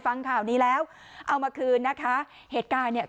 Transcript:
ฟังข่าวนี้แล้วเอามาคืนนะคะเหตุการณ์เนี่ย